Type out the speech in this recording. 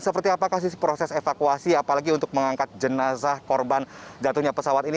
seperti apa kasus evakuasi apalagi untuk mengangkat jenazah korban jatuhnya pesawat ini